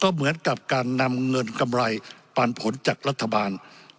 เหมือนกับการนำเงินกำไรปันผลจากรัฐบาล